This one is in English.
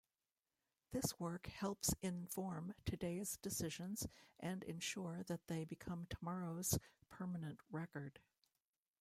This work helps inform today's decisions and ensure that they become tomorrow's permanent record.